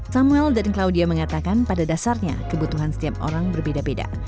samuel dan claudia mengatakan pada dasarnya kebutuhan setiap orang berbeda beda